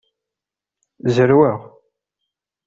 Zerweɣ.